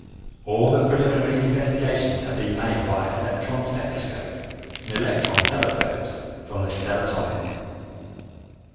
All the preliminary investigations had been made via electronspectroscopes and electrontelescopes from the stellatomic.